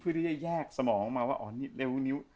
เพื่อที่จะแยกสมองมาว่าหวานี้เล็กกว่านิ้ว